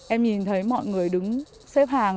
em nhìn thấy mọi người đứng xếp hàng